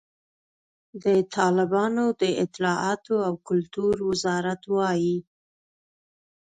د طالبانو د اطلاعاتو او کلتور وزارت وایي،